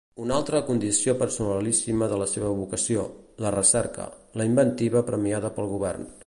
Una altra condició personalíssima de la seva vocació: la recerca, la inventiva premiada pel govern.